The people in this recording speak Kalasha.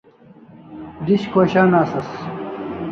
Dish khoshan asas